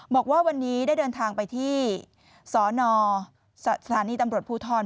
บอกว่าวันนี้ได้เดินทางไปที่สนสถานีตำรวจภูทร